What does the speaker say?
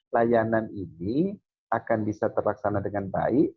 layanan ini akan bisa terlaksana dengan baik